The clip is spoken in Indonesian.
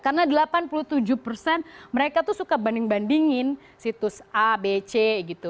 karena delapan puluh tujuh persen mereka tuh suka banding bandingin situs a b c gitu